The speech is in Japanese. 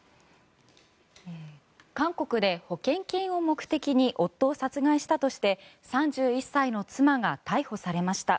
韓国で保険金を目的に夫を殺害したとして３１歳の妻が逮捕されました。